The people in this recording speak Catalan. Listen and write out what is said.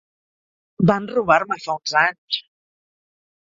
Van robar-me fa uns anys.